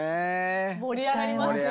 盛り上がりますよね。